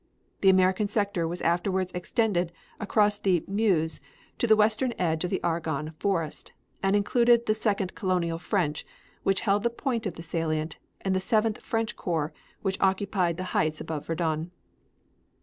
The American sector was afterwards extended across the Meuse to the western edge of the Argonne Forest, and included the Second Colonial French, which held the point of the salient, and the Seventeenth French Corps, which occupied the heights above Verdun.